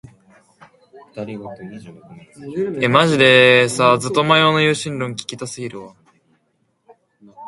Street foods are a key element to cuisine.